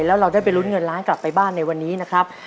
แล้วเราได้ไปลุ้นเงินล้านกลับไปบ้านในวันนี้นะครับ